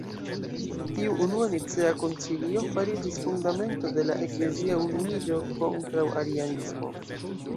Tiu unua Nicea koncilio fariĝis fundamento de la eklezia unuiĝo kontraŭ arianismo.